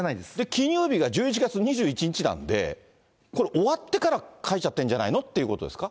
記入日が１１月２１日なんで、これ、終わってから書いちゃっているんじゃないのということですか？